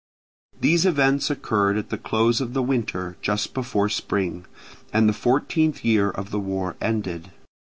These events occurred at the close of the winter, just before spring; and the fourteenth year of the war ended.